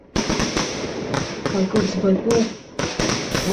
Акы ӡбатәуп!